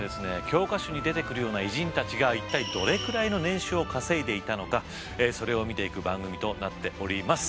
教科書に出てくるような偉人たちが一体どれくらいの年収を稼いでいたのかそれを見ていく番組となっております。